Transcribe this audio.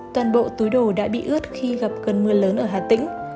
toàn bộ túi đồ đã bị ướt khi gặp cơn mưa lớn ở hà tĩnh